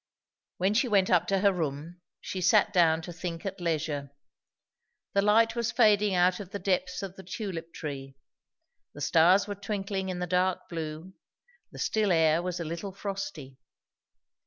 When she went up to her room she sat down to think at leisure. The light was fading out of the depths of the tulip tree; the stars were twinkling in the dark blue; the still air was a little frosty.